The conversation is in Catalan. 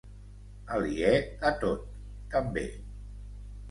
Aliè a tot, també.